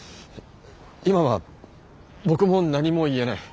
今は僕も何も言えない。